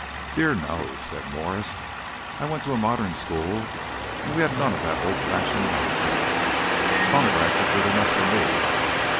"Dear, no!" said Mwres, "I went to a modern school and we had none of that old fashioned nonsense. Phonographs are good enough for me."